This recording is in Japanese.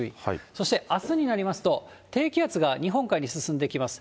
そして、あすになりますと、低気圧が日本海に進んできます。